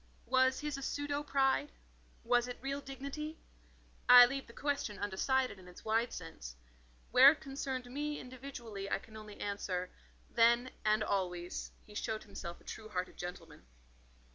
Was his a pseudo pride? was it real dignity? I leave the question undecided in its wide sense. Where it concerned me individually I can only answer: then, and always, he showed himself a true hearted gentleman.